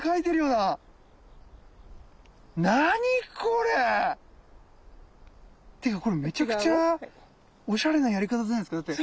なにこれ？っていうかこれめちゃくちゃおしゃれなやり方じゃないですかだって。